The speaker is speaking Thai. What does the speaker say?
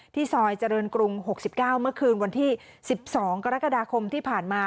ซอยเจริญกรุง๖๙เมื่อคืนวันที่๑๒กรกฎาคมที่ผ่านมา